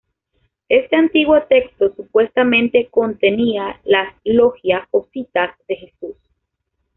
Este antiguo texto supuestamente contenía las logia o citas de Jesús.